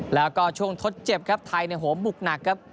แล้วก็ช่วงทดเจ็บครับไทยโหมบุกหนักครับ